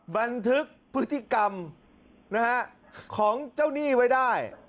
บันทึกพฤติกรรมของเจ้าหนี้ไว้ได้